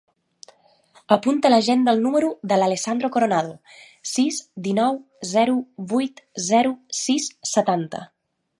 Apunta a l'agenda el número de l'Alessandro Coronado: sis, dinou, zero, vuit, zero, sis, setanta.